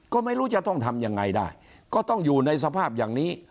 ก็ไม่รู้จะต้องทำยังไงได้ก็ต้องอยู่ในสภาพอย่างนี้